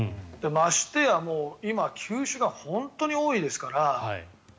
ましてや今、球種が本当に多いですから。